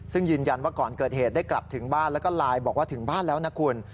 ซึ่งยืนยันว่าก่อนเกิดเหตุได้กลับถึงบ้านแล้วก็ไลน์บอกว่าถึงบ้านแล้วนะคุณ